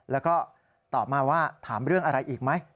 แล้วก็ตอบมาว่าถามเรื่องอะไรอีกไหม